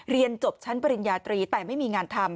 เรียนจบชั้นปริญญาตรีแต่ไม่มีงานทำ